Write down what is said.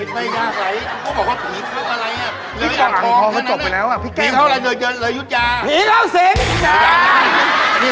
ไม่ได้ยากอะไร